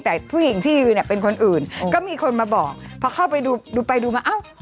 แต่ผู้หญิงที่ยืนเนี่ยเป็นคนอื่นก็มีคนมาบอกพอเข้าไปดูดูไปดูมาเอ้า